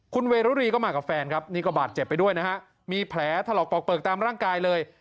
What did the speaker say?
คุณเวรุรีก็มากับแฟนครับนี่ก็บาดเจ็บไปด้วยนะฮะมีแผลถลอกปอกเปลือกตามร่างกายเลย